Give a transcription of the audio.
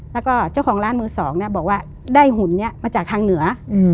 แล้วก็เจ้าของร้านมือสองเนี่ยบอกว่าได้หุ่นนี้มาจากทางเหนือ